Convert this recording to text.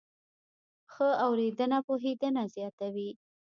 ښه اورېدنه پوهېدنه زیاتوي.